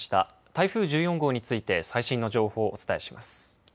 台風１４号について最新の情報をお伝えします。